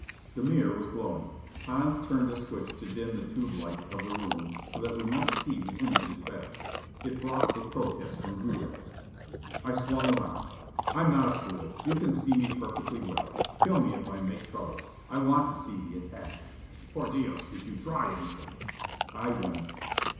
The mirror was glowing. Hans turned a switch to dim the tube lights of the room so that we might see the images better. It brought a protest from Gutierrez. I swung around. "I'm not a fool! You can see me perfectly well: kill me if I make trouble. I want to see the attack." "Por Dios, if you try anything " "I won't!"